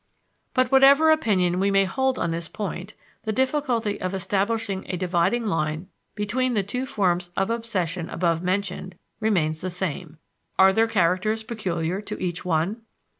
But whatever opinion we may hold on this point, the difficulty of establishing a dividing line between the two forms of obsession above mentioned remains the same. Are there characters peculiar to each one?